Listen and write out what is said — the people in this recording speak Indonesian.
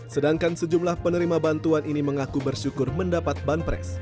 sedangkan sejumlah penerima bantuan ini mengaku bersyukur mendapat banpres